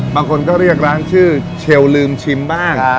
บางคนก็เรียกร้านชื่อเชลลืมชิมบ้าง